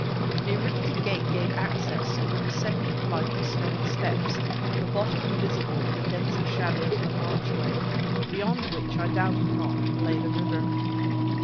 A rickety gate gave access to a descending flight of stone steps, the bottom invisible in the denser shadows of an archway, beyond which, I doubted not, lay the river.